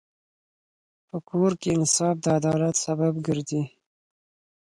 په کور کې انصاف د عدالت سبب ګرځي.